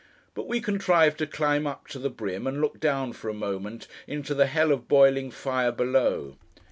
But, we contrive to climb up to the brim, and look down, for a moment, into the Hell of boiling fire below.